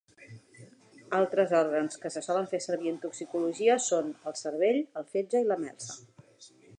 Altres òrgans que se solen fer servir en toxicologia són el cervell, el fetge i la melsa.